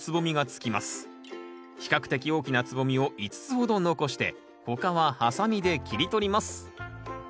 比較的大きな蕾を５つほど残して他はハサミで切り取ります。